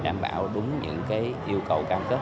đảm bảo đúng những yêu cầu cam kết